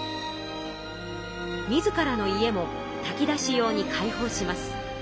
自らの家もたき出し用に開放します。